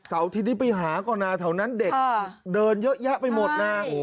เฉียวที่ที่ไปหาก่อนแถวนั้นเด็กเดินเยอะแยะไปหมดน่ะ